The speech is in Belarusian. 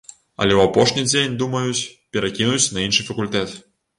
Але ў апошні дзень думаюць перакінуць на іншы факультэт.